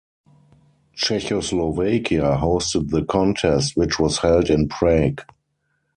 Czechoslovakia hosted the contest, which was held in Prague.